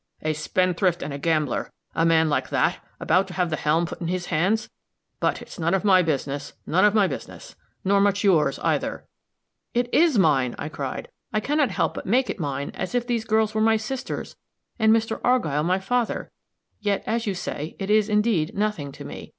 "A spendthrift and a gambler a man like that about to have the helm put in his hands! But it's none of my business none of my business; nor much yours, either." "It is mine!" I cried; "I can not help but make it mine, as if these girls were my sisters, and Mr. Argyll my father. Yet, as you say it is, indeed, nothing to me.